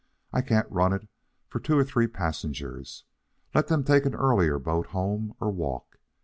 I can't run it for two or three passengers. Let them take an earlier boat home or walk.